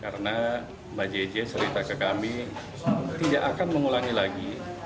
karena mbak jj cerita ke kami tidak akan mengulangi lagi